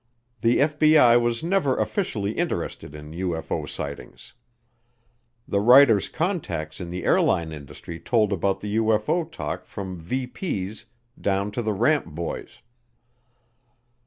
The FBI was never officially interested in UFO sightings. The writers' contacts in the airline industry told about the UFO talk from V.P.'s down to the ramp boys.